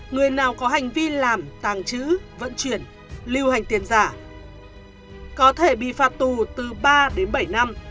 người nào có hành vi làm tàng trữ vận chuyển lưu hành tiền giả có thể bị phạt tù từ ba đến bảy năm